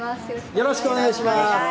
よろしくお願いします。